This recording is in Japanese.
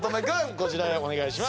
こちらへお願いします。